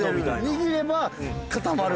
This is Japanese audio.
握れば固まる。